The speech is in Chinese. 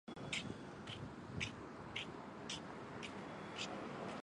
斯塔杜欣是首次探查了西伯利亚最东北部地区的人。